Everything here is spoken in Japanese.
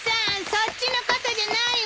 そっちの傘じゃないわ！